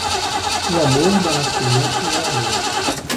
O amor dá nascimento ao amor.